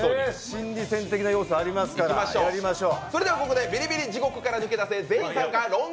心理戦的な要素ありますから、やりましょう。